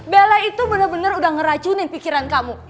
bella itu benar benar udah ngeracunin pikiran kamu